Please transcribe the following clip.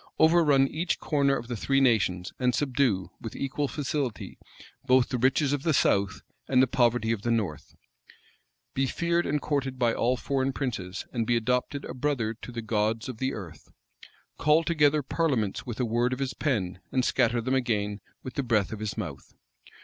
Overrun each corner of the three nations, and subdue, with equal facility, both the riches of the south and the poverty of the north? Be feared and courted by all foreign princes, and be adopted a brother to the gods of the earth? Call together parliaments with a word of his pen, and scatter them again with the breath of his mouth?